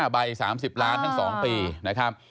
ใบ๓๐ล้านทั้ง๒ปีนะครับ